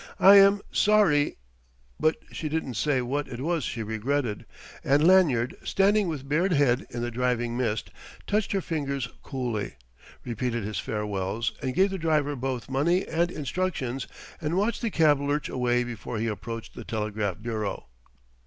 "I am sorry " But she didn't say what it was she regretted; and Lanyard, standing with bared head in the driving mist, touched her fingers coolly, repeated his farewells, and gave the driver both money and instructions, and watched the cab lurch away before he approached the telegraph bureau....